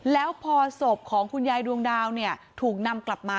แล้วพอศพของคุณยายดวงดาวเนี่ยถูกนำกลับมา